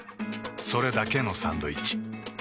それだけのサンドイッチ。